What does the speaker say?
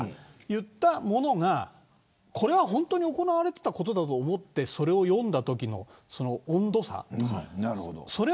言ったものがこれは本当に行われていたことだと思ってそれを読んだときの温度差。